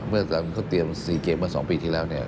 เมื่อกำลังเขาเตรียมสี่เกมท์ไว้๒ปีทีแล้วเนี่ย